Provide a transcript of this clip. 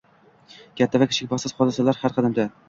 Katta va kichik baxtsiz hodisalar har qadamda